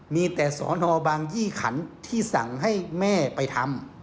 มีแต่สอนอบางยี่ขันที่สั่งให้แม่ไปทำ